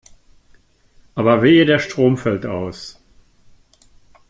Aber wehe, der Strom fällt aus.